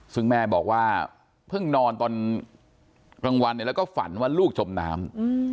ซึ่งแม่บอกว่าเพิ่งนอนตอนกลางวันเนี่ยแล้วก็ฝันว่าลูกจมน้ำ